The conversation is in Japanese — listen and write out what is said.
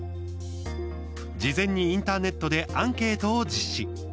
事前にインターネットでアンケートを実施。